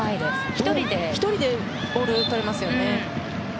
１人でボールをとれますよね。